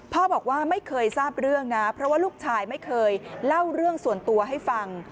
บอกว่าไม่เคยทราบเรื่องนะเพราะว่าลูกชายไม่เคยเล่าเรื่องส่วนตัวให้ฟัง